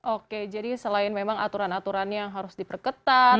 oke jadi selain memang aturan aturan yang harus diperketat